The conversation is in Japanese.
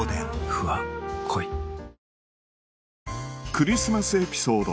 クリスマスエピソード